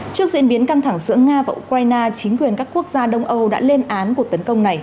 trước diễn biến căng thẳng giữa nga và ukraine chính quyền các quốc gia đông âu đã lên án cuộc tấn công này